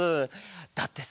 だってさ